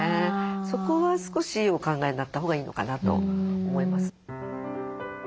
そこは少しお考えになったほうがいいのかなと思います。